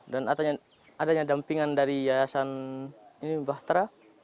dan adanya dampingan dari yayasan bahtera